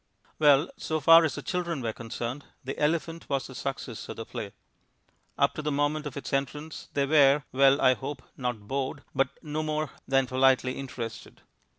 Well, so far as the children were concerned, the elephant was the success of the play. Up to the moment of its entrance they were well, I hope not bored, but no more than politely interested.